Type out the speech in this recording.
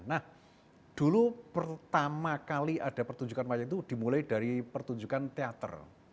nah dulu pertama kali ada pertunjukan wajan itu dimulai dari pertunjukan teater